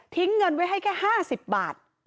เงินไว้ให้แค่๕๐บาท